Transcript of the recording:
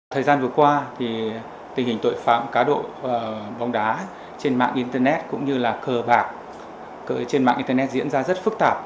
thời gian vừa qua tình hình tội phạm cá độ bóng đá trên mạng internet cũng như là cờ bạc trên mạng internet diễn ra rất phức tạp